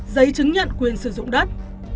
giấy chứng nhận quyền sử dụng đất